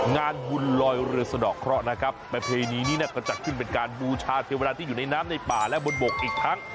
งานบุญลอยเรือสะดอกเคราะห์นะครับประเพณีนี้เนี่ยก็จัดขึ้นเป็นการบูชาเทวดาที่อยู่ในน้ำในป่าและบนบกอีกทั้ง